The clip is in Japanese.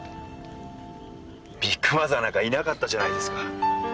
ビッグマザーなんかいなかったじゃないですか。